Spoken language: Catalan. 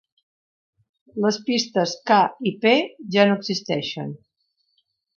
Les pistes K i P ja no existeixen.